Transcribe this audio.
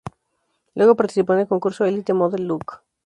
Luego participó en el concurso Elite Model Look.